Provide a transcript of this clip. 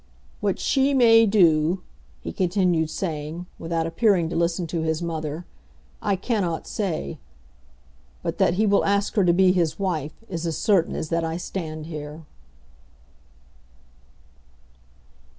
"What she may do," he continued saying, without appearing to listen to his mother, "I cannot say. But that he will ask her to be his wife is as certain as that I stand here."